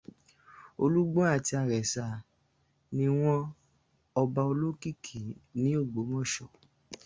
Olúgbọ́n àti Arẹ̀sà ni wọ́n ọba olókìkí ní Ògbómọ̀ṣọ́